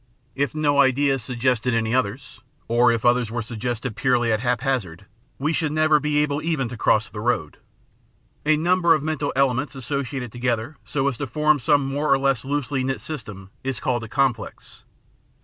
If no ideas suggested any others, or if others were sug gested purely at haphazard, we should never be able even to cross the road. A number of mental elements associated together so as to form some more or less loosely knit system is called a com plex.